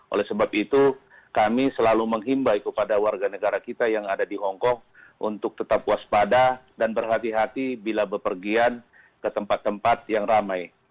oleh sebab itu kami selalu menghimbau kepada warga negara kita yang ada di hongkong untuk tetap waspada dan berhati hati bila bepergian ke tempat tempat yang ramai